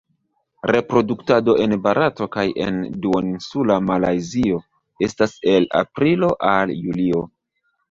Reproduktado en Barato kaj en Duoninsula Malajzio estas el aprilo al julio.